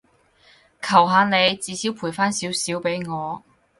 求下你，至少賠返少少畀我